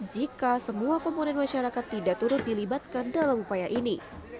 jika semua komponen masyarakat tidak turut dilibatkan dalam upaya ini